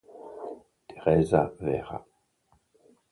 Teresa Vera.